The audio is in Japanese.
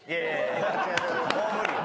もう無理よ。